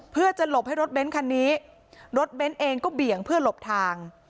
เพื่อจะหลบให้รถเบ้นคันนี้รถเบ้นเองก็เบี่ยงเพื่อหลบทาง